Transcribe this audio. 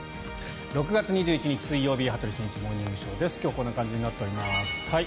６月２１日、水曜日「羽鳥慎一モーニングショー」。今日はこんな感じになっております。